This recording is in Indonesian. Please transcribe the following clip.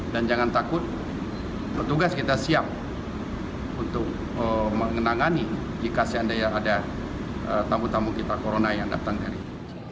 dan jangan takut petugas kita siap untuk menangani jika seandainya ada tamu tamu kita corona yang datang dari sini